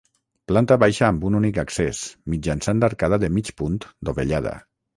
Planta baixa amb un únic accés, mitjançant arcada de mig punt dovellada.